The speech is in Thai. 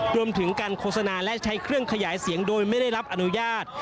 รวมถึงการโฆษณาและใช้เครื่องขยายเสียงโดยไม่ได้รับอนุญาต